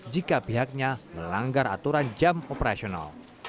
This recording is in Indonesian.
jika pihaknya melanggar aturan jam operasional